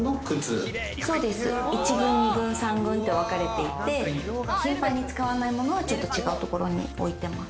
１軍２軍３軍ってわかれていて、頻繁に使わないものはちょっと違うところに置いてます。